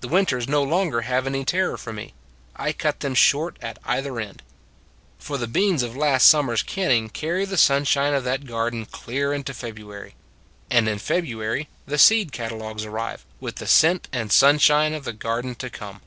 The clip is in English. The winters no longer have any terror for me: I cut them short at either end. For the beans of last summer s canning carry the sunshine of that garden clear into February: and in February the seed cat alogs arrive, with the scent and sunshine of the garden to come.